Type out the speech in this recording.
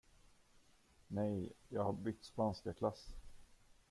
Nej, jag har bytt spanskaklass.